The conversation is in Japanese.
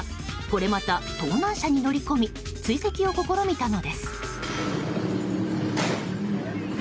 これまた盗難車に乗り込み追跡を試みたのです。